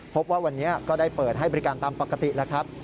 พบว่าวันนี้ก็ได้เปิดให้บริการตามปกติแล้วครับ